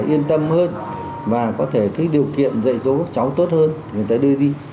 yên tâm hơn và có thể điều kiện dạy cho các cháu tốt hơn người ta đưa đi